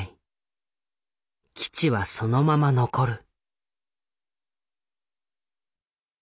「基地はそのまま残る」。